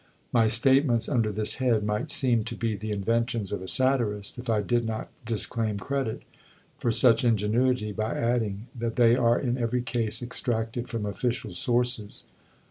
My statements under this head might seem to be the inventions of a satirist if I did not disclaim credit for such ingenuity by adding that they are in every case extracted from official sources.